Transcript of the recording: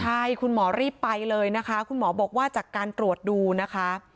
ใช่คุณหมอรีบไปเลยนะคะคุณหมอบอกว่าจากการตรวจดูนะคะ